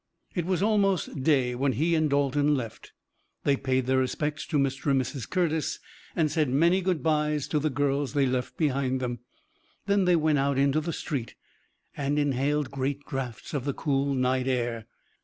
It was almost day when he and Dalton left. They paid their respects to Mr. and Mrs. Curtis, and said many good bys to "the girls they left behind them." Then they went out into the street, and inhaled great draughts of the cool night air.